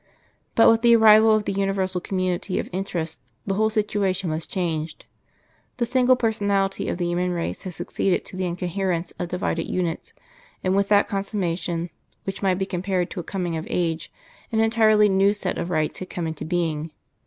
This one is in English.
But with the arrival of the universal community of interests the whole situation was changed. The single personality of the human race had succeeded to the incoherence of divided units, and with that consummation which might be compared to a coming of age, an entirely new set of rights had come into being.